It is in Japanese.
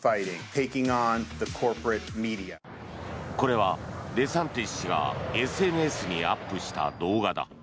これはデサンティス氏がＳＮＳにアップした動画だ。